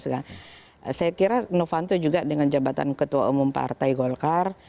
saya kira novanto juga dengan jabatan ketua umum partai golkar